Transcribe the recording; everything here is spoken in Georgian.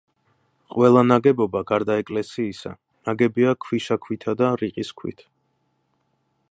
ყველა ნაგებობა, გარდა ეკლესიისა, ნაგებია ქვიშაქვითა და რიყის ქვით.